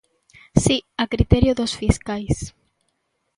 Si, a criterio dos fiscais.